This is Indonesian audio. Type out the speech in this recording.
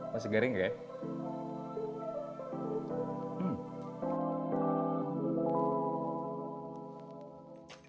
masih garing nggak ya